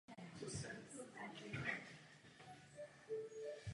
Jezero částečně zmírňuje klima sousedních hor.